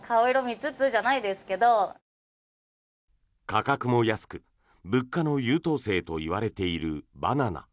価格も安く物価の優等生と言われているバナナ。